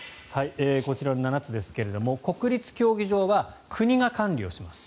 こちらの７つですが国立競技場は国が管理します。